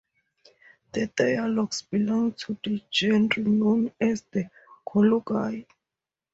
The dialogues belong to the genre known as the colloquy.